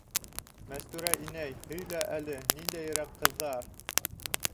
Мәстүрә инәй, һөйлә әле, ниндәйерәк ҡыҙҙар?